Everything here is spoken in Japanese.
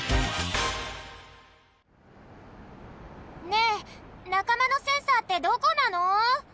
ねえなかまのセンサーってどこなの？